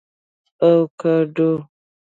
🥑 اوکاډو